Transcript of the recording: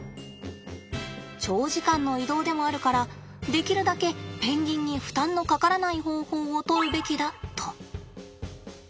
長時間の移動でもあるからできるだけペンギンに負担のかからない方法をとるべきだと。